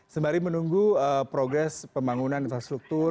sembari menunggu progres pembangunan infrastruktur